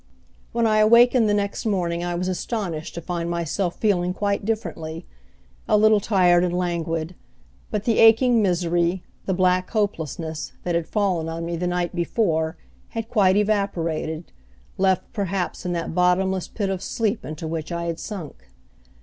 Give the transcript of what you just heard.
When I awakened the next morning I was astonished to find myself feeling quite differently a little tired and languid but the aching misery, the black hopelessness, that had fallen on me the night before had quite evaporated, left perhaps in that bottomless pit of sleep into which I had sunk.